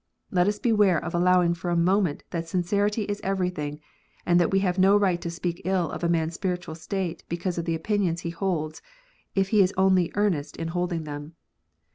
Let us beware of allowing for a moment that sincerity is everything, and that we have no right to speak ill of a man s spiritual state because of the opinions he holds, if he is only earnest in holding them.